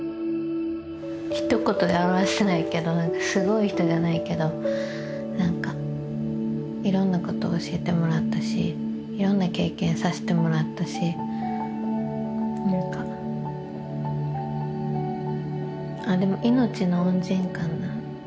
一言で表せないけどすごい人じゃないけど何か色んなことを教えてもらったし色んな経験さしてもらったし何かあっでも命の恩人かな